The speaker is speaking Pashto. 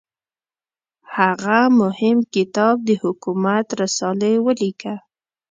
هغه مهم کتاب د حکومت رسالې ولیکه.